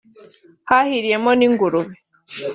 hahiriyemo n’ingurube